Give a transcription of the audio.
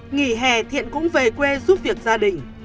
nghỉ hè thiện cũng về quê giúp việc gia đình